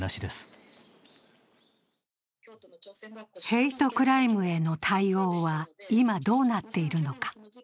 ヘイトクライムへの対応は今どうなっているのか。